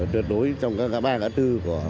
tuyệt đối trong các ba gã tư